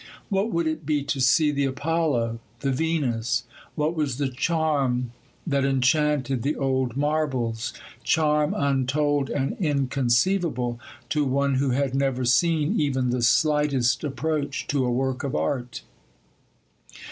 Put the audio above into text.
What would it be to see the Apollo, the Venus? What was the charm that enchanted the old marbles—charm untold and inconceivable to one who had never seen even the slightest approach to a work of art?